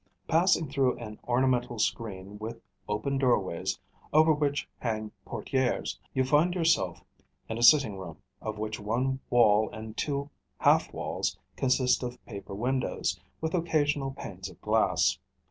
Passing through an ornamental screen with open doorways, over which hang portières, you find yourself in a sitting room, of which one wall and two half walls consist of paper windows, with occasional panes of glass.